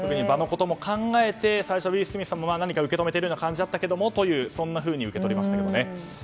場のことも考えて最初、ウィル・スミスさんも何か受け止めているような感じだったけどもそんなふうに受け取りましたが。